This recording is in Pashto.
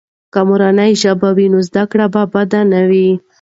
که مورنۍ ژبه وي، نو زده کړه به بده نه وي.